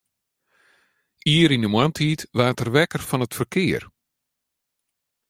Ier yn 'e moarntiid waard er wekker fan it ferkear.